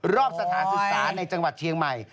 รอบสถานศึกษาในจังหวัดเชียงใหม่